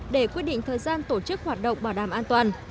để quyết định thời gian tổ chức hoạt động bảo đảm an toàn